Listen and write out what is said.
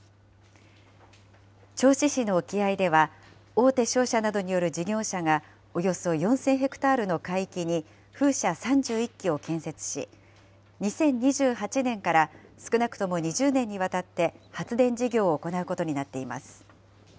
銚子市の沖合では、大手商社などによる事業者がおよそ４０００ヘクタールの海域に風車３１基を建設し、２０２８年から少なくとも２０年にわたって、発電事業を行うことになっています。